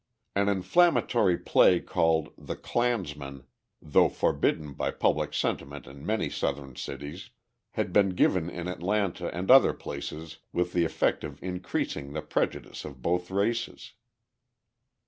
An inflammatory play called "The Clansman," though forbidden by public sentiment in many Southern cities, had been given in Atlanta and other places with the effect of increasing the prejudice of both races.